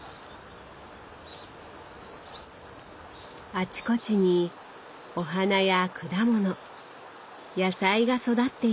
あちこちにお花や果物野菜が育っていて。